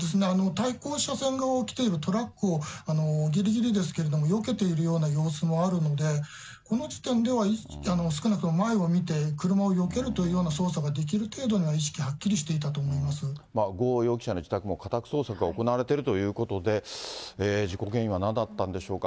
対向車線側を来ているトラックをぎりぎりですけれども、よけているような様子もあるので、この時点では少なくとも前を見て、車をよけるというような操作ができる程度には、意識はっきりしてまあ、呉容疑者の自宅も家宅捜索が行われているということで、事故原因はなんだったんでしょうか。